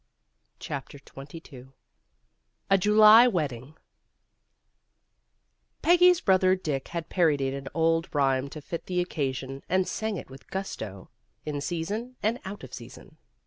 CHAPTER XXII A JULY WEDDING PEGGY'S brother Dick had parodied an old rhyme to fit the occasion and sang it with gusto, in season and out of season.